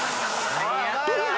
何やってんだよ！